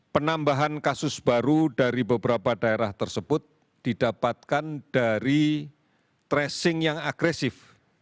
penambahan kasus baru dari beberapa daerah tersebut didapatkan dari tracing yang agresif